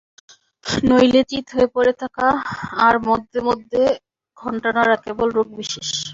নইলে চিৎ হয়ে পড়ে থাকা আর মধ্যে মধ্যে ঘণ্টা নাড়া, কেবল রোগ বিশেষ।